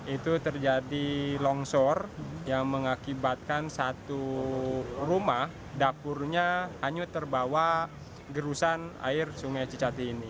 itu terjadi longsor yang mengakibatkan satu rumah dapurnya hanyut terbawa gerusan air sungai cicati ini